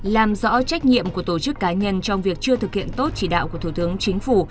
làm rõ trách nhiệm của tổ chức cá nhân trong việc chưa thực hiện tốt chỉ đạo của thủ tướng chính phủ